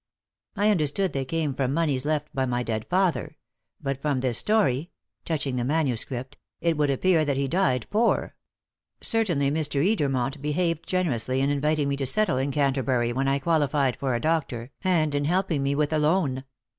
I understood they came from moneys left by my dead father; but from this story" touching the manuscript "it would appear that he died poor. Certainly Mr. Edermont behaved generously in inviting me to settle in Canterbury when I qualified for a doctor, and in helping me with a loan.